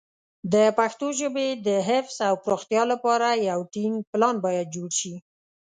د پښتو ژبې د حفظ او پراختیا لپاره یو ټینګ پلان باید جوړ شي.